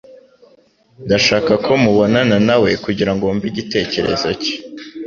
Ndashaka ko mubonana nawe kugirango wumve igitekerezo cye